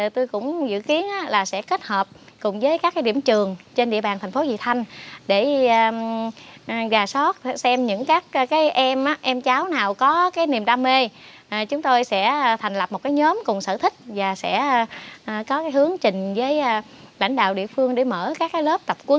tuy không phải là cái nôi của đơn ca tài tử